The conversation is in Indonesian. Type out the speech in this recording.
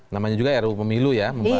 namanya juga ruu pemilu ya